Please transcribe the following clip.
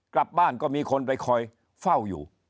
กลับบ้านก็มีคนไปคอยเฝ้าอยู่